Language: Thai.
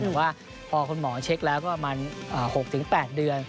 แต่ว่าพอคุณหมอเช็คแล้วก็ประมาณ๖๘เดือน